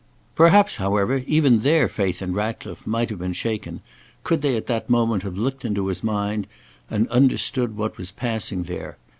Perhaps, however, even their faith in Ratcliffe might have been shaken, could they at that moment have looked into his mind and understood what was passing there.